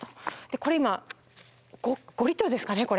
これ今５リットルですかねこれ。